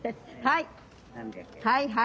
はい。